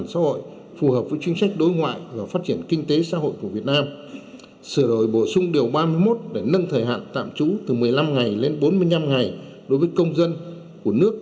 sửa đổi bổ sung điều ba mươi một để nâng thời hạn tạm trú từ một mươi năm ngày lên bốn mươi năm ngày đối với công dân của nước